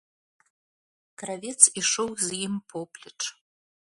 Кравец ішоў з ім поплеч.